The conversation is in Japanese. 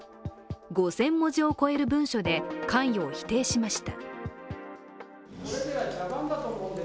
５０００文字を超える文書で関与を否定しました。